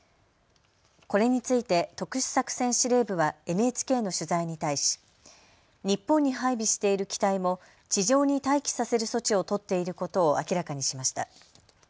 これについて特殊作戦司令部はＮＨＫの取材に対し日本に配備している機体も地上に待機させる措置を取っていることを明らかにしました。